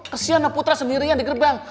kesianlah putra sendirian di gerbang